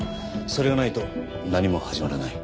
それがないと何も始まらない。